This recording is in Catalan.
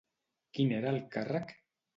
Qui n'era al càrrec?